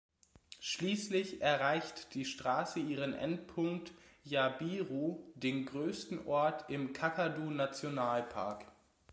Schließlich erreicht die Straße ihren Endpunkt Jabiru, den größten Ort im Kakadu-Nationalpark.